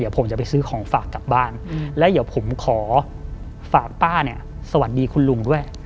ผมจะไปซื้อของฝากกลับบ้านแล้วเดี๋ยวผมขอฝากป้าเนี่ยสวัสดีคุณลุงด้วย